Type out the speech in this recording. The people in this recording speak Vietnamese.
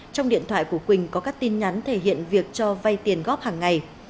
trong điện thoại của quỳnh có các tin nhắn thể hiện việc cho vay tiền góp hàng ngày